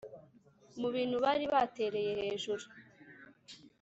Mu bintu bari batereye hejuru